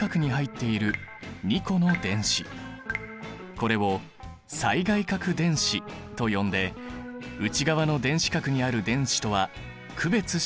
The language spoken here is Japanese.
これを最外殻電子と呼んで内側の電子殻にある電子とは区別しているんだ。